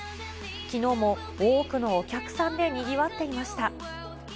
きのうも多くのお客さんでにぎわっていました。